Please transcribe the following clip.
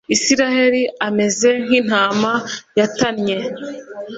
Isirayeli ameze nk’intama yatannye